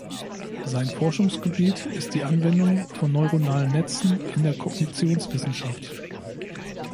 Sein Forschungsgebiet ist die Anwendung von neuronalen Netzen in der Kognitionswissenschaft.